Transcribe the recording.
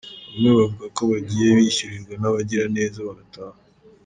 Bamwe bavuga ko bagiye bishyurirwa n’abagira neza bagataha.